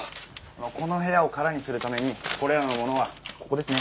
この部屋を空にするためにこれらのものはここですね。